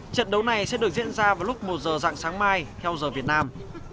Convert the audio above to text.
trận đấu này sẽ được diễn ra vào lúc một giờ dạng sáng mai theo giờ việt nam